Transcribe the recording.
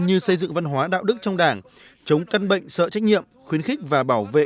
như xây dựng văn hóa đạo đức trong đảng chống căn bệnh sợ trách nhiệm khuyến khích và bảo vệ